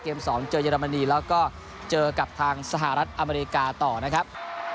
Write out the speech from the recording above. ๒เจอเยอรมนีแล้วก็เจอกับทางสหรัฐอเมริกาต่อนะครับ